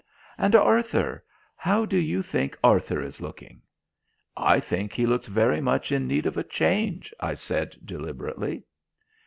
"And Arthur how do you think Arthur is looking?" "I think he looks very much in need of a change," I said deliberately.